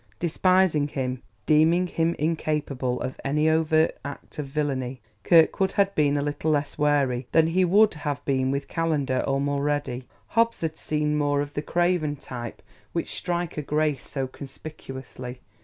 Despising him, deeming him incapable of any overt act of villainy, Kirkwood had been a little less wary than he would have been with Calendar or Mulready. Hobbs had seemed more of the craven type which Stryker graced so conspicuously.